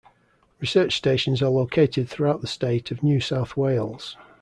Research stations are located throughout the state of New South Wales.